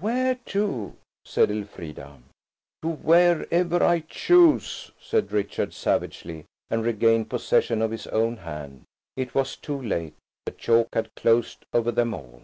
"Where to?" said Elfrida. "To wherever I choose," said Richard savagely, and regained possession of his own hand. It was too late–the chalk had closed over them all.